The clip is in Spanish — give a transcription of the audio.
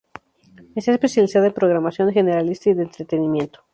Está especializada en programación generalista y de entretenimiento.